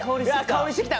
香りしてきた！